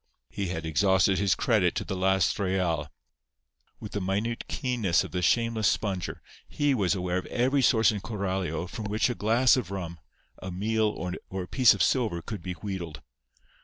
He had exhausted his credit to the last real. With the minute keenness of the shameless sponger he was aware of every source in Coralio from which a glass of rum, a meal or a piece of silver could be wheedled.